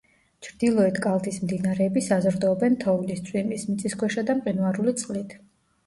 ჩრდილოეთ კალთის მდინარეები საზრდოობენ თოვლის, წვიმის, მიწისქვეშა და მყინვარული წყლით.